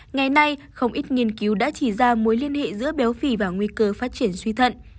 ngày nay không ít nghiên cứu đã chỉ ra muối liên hệ giữa béo phỉ và nguy cơ phát triển suy thuận